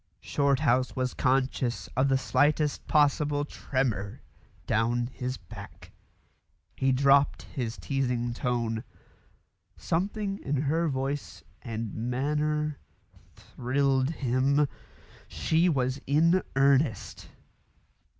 Shorthouse was conscious of the slightest possible tremor down his back. He dropped his teasing tone. Something in her voice and manner thrilled him. She was in earnest.